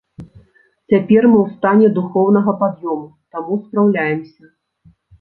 Цяпер мы ў стане духоўнага пад'ёму, таму спраўляемся.